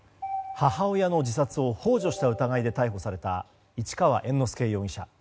母親の自殺を幇助した疑いで逮捕された市川猿之助容疑者。